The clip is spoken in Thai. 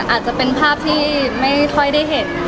อาจจะเป็นภาพที่ไม่ค่อยได้เห็น